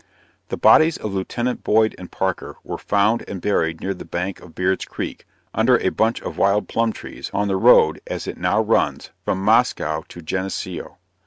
The bodies of Lieut. Boyd and Parker were found and buried near the bank of Beard's creek, under a bunch of wild plum trees, on the road, as it now runs, from Moscow to Geneseo.